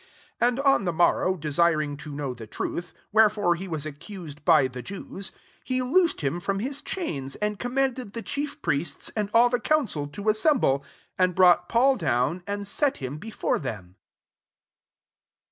30 And on the morrow, de siring to know the truth, where fore he was accused by the Jews, he loosed him Jrom hit chains, and commanded the chief'priests, and all the coun cil to assemble, and brought Paul down, and set him before them.